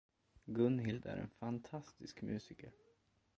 Gunhild är en fantastisk musiker.